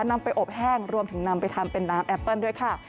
นำไปอบแห้งรวมถึงนำไปทำเป็นน้ำแอปเปิ้ลด้วยค่ะ